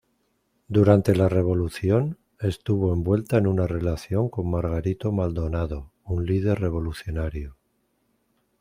Durante la revolución, estuvo envuelta en una relación con Margarito Maldonado, un líder revolucionario.